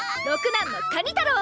６男のカニ太郎！